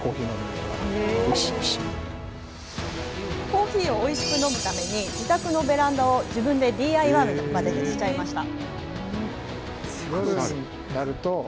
コーヒーをおいしく飲むために、自宅のベランダを自分でＤＩＹまでしちゃいました。